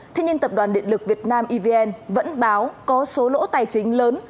thế nhưng tập đoàn điện lực việt nam evn vẫn báo có số lỗ tài chính lớn